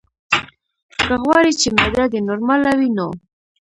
که غواړې چې معده دې نورماله وي نو: